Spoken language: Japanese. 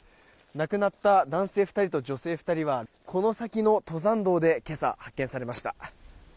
亡くなった男性２人と女性２人はこの先の登山道で今朝、発見されました。